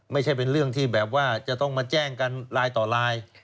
ไม่ใช่เป็นเรื่องที่แบบว่าจะต้องมาแจ้งกันลายต่อลาย